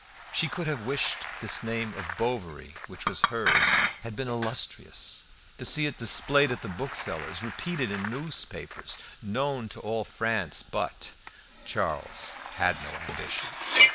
She could have wished this name of Bovary, which was hers, had been illustrious, to see it displayed at the booksellers', repeated in the newspapers, known to all France. But Charles had no ambition.